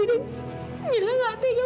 dan mila gak tega